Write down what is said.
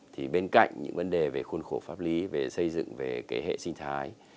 thì bên cạnh những vấn đề về khuôn khổ pháp lý về xây dựng về hệ sinh thái